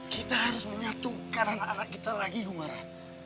kita harus menyatukan anak anak kita lagi humarah